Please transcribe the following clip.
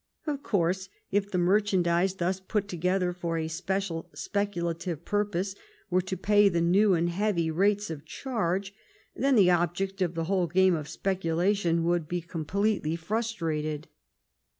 Of course, if the merchandise, thus put together for a special speculative purpose, were to pay the new and heavy rates of charge, then the object of the whole game of speculation would be completely frustrated.